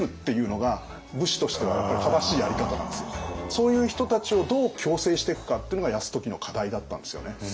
そういう人たちをどう矯正していくかっていうのが泰時の課題だったんですよね。